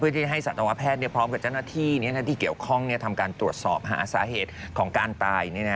เพื่อที่จะให้สัตวแพทย์เนี่ยพร้อมกับเจ้าหน้าที่เนี่ยนะที่เกี่ยวข้องเนี่ยทำการตรวจสอบหาสาเหตุของการตายเนี่ยนะ